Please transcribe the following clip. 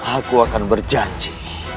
aku akan berjanji